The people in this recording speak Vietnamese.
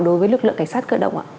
đối với lực lượng cảnh sát cơ động